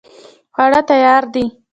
خواړه تیار دي